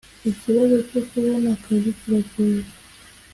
ikibazo cyo kubona akazi kiragoye